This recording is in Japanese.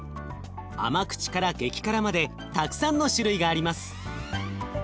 甘口から激辛までたくさんの種類があります。